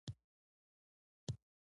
پوهه او هوښیاري انسان له جهالت څخه ژغوري.